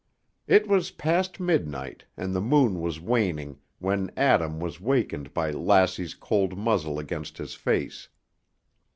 It was past midnight, and the moon was waning when Adam was wakened by Lassie's cold muzzle against his face.